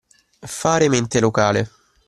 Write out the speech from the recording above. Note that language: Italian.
Fare mente locale.